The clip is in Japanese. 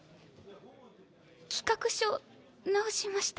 企画書直しました。